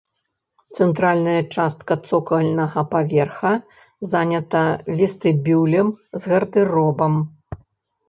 Цэнтральная частка цокальнага паверха занята вестыбюлем з гардэробам.